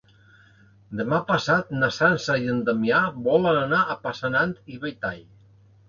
Demà passat na Sança i en Damià volen anar a Passanant i Belltall.